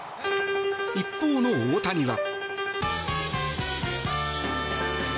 一方の大谷は。